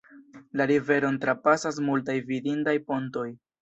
La riveron trapasas multaj vidindaj pontoj.